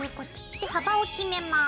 で幅を決めます。